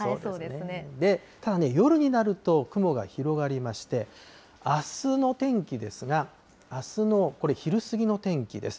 ただ、夜になると、雲が広がりまして、あすの天気ですが、あすのこれ、昼過ぎの天気です。